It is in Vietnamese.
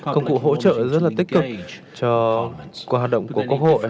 công cụ hỗ trợ rất là tích cực cho hoạt động của quốc hội